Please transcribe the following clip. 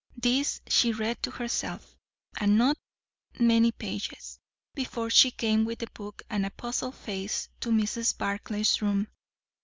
This she read to herself; and not many pages, before she came with the book and a puzzled face to Mrs. Barclay's room.